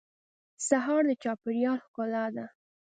سهار د چاپېریال ښکلا ده.